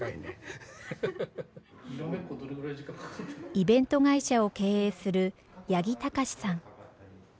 イベント会社を経営する八木隆さん。